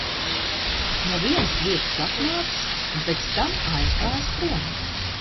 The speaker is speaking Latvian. No vienas vietas atnācis un pēc tam aizgājis prom.